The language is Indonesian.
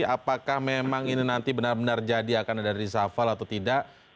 apakah memang ini nanti benar benar jadi akan ada reshuffle atau tidak